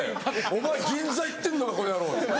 お前銀座行ってんのかこの野郎！